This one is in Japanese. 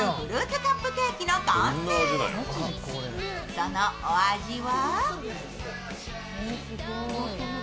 そのお味は？